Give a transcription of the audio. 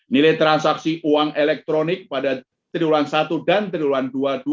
nilai transaksi uang elektronik pada tirulan satu dan tirulan dua dua ribu dua puluh satu